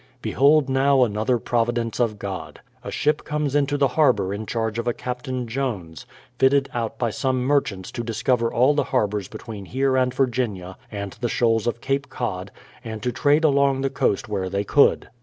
Behold now another providence of God. A ship comes into the harbour in charge of a Captain Jones, fitted out by some merchants to discover all the harbours between here and Virginia and the shoals of Cape Cod, and to trade along the coast where they could.